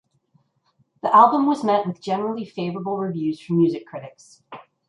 The album was met with generally favorable reviews from music critics.